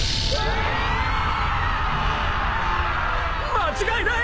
間違いない！